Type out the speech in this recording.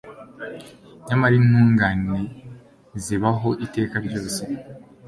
nyamara intungane zibaho iteka ryose